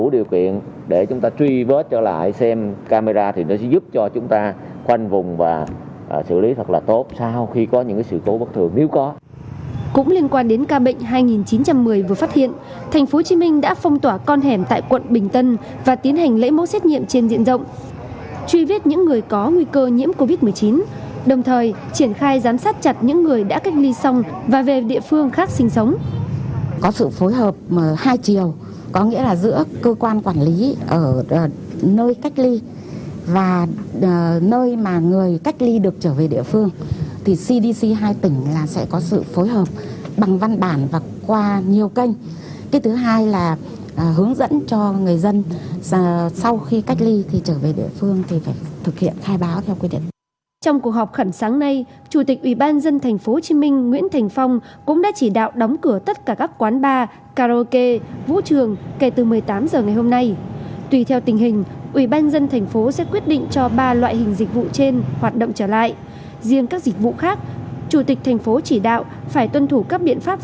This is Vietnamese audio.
riêng các dịch vụ khác chủ tịch thành phố chỉ đạo phải tuân thủ các biện pháp phòng chống dịch nếu không tuân thủ phải đóng cửa